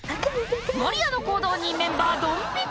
守屋の行動にメンバードン引き！